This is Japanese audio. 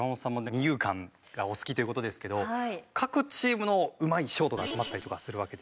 二遊間がお好きという事ですけど各チームのうまいショートが集まったりとかするわけで。